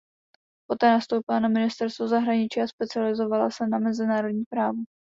Poté nastoupila na ministerstvo zahraničí a specializovala se na mezinárodní právo.